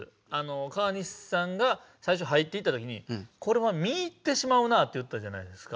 川西さんが最初入っていったときに「これは見入ってしまうな」って言ったじゃないですか。